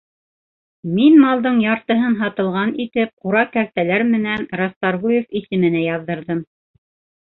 Мин малдың яртыһын һатылған итеп ҡура-кәртәләр менән Расторгуев исеменә яҙҙырҙым.